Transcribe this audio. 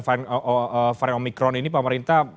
varen omicron ini pak pemerintah